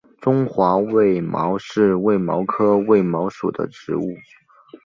中华卫矛是卫矛科卫矛属的植物。